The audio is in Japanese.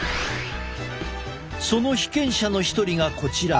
その被験者の一人がこちら。